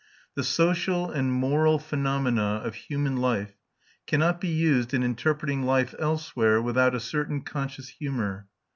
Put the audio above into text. The social and moral phenomena of human life cannot be used in interpreting life elsewhere without a certain conscious humour.